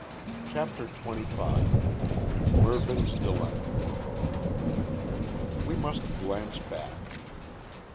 CHAPTER TWENTY FIVE. MERVYN'S DILEMMA. We must glance back.